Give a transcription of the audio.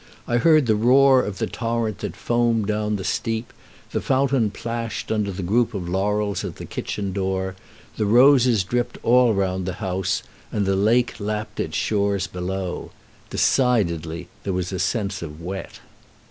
I heard the roar of the torrent that foamed down the steep; the fountain plashed under the group of laurels at the kitchen door; the roses dripped all round the house; and the lake lapped its shores below. Decidedly there was a sense of wet.